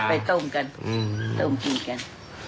ไปต้มกันต้มกินกัน